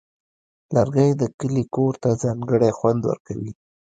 لرګی د کلي کور ته ځانګړی خوند ورکوي.